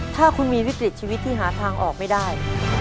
ถ้าคุณมีวิกฤตชีวิตที่หาทางออกไม่ได้